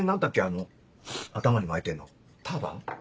あの頭に巻いてるのターバン？